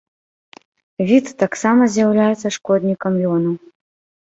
Від таксама з'яўляецца шкоднікам лёну.